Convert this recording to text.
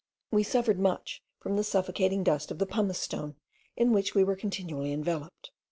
We suffered much from the suffocating dust of the pumice stone, in which we were continually enveloped.